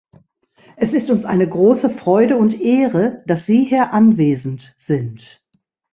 Es ist uns eine große Freude und Ehre, dass Sie hier anwesend sind.